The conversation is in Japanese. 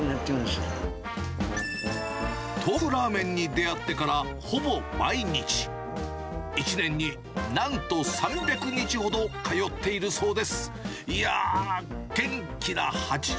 トーフラーメンに出会ってから、ほぼ毎日、１年になんと３００日ほど通っているそうです。